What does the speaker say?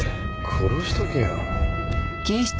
殺しとけよ。